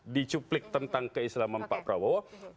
dicuplik tentang keislaman pak prabowo